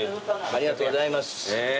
ありがとうございます。